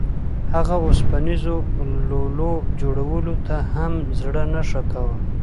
هغه د اوسپنیزو لولو جوړولو ته هم زړه نه ښه کاوه